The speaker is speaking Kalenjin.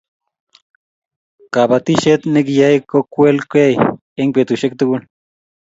kabatishiet ne kiai ko kwel kei eng betushiek tugul